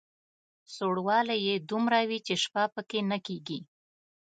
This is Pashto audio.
سوړوالی یې دومره وي چې شپه په کې نه کېږي.